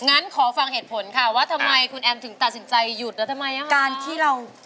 งั้นขอฟังเหตุผลค่ะว่าทำไมคุณแอมถึงตัดสินใจหยุดแล้วทำไมอ่ะการที่เรา